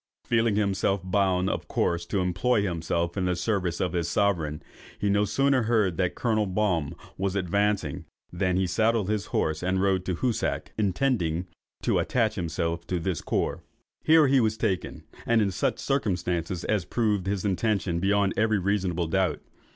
Feeling himself bound of course to employ himself in the service of his sovereign, he no sooner heard that Colonel Baum was advancing, than he saddled his horse and rode to Hoosac, intending to attach himself to this corps. Here he was taken, in such circumstances as proved his intention beyond every reasonable doubt.